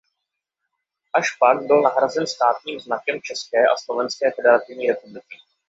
Až pak byl nahrazen státním znakem České a Slovenské Federativní Republiky.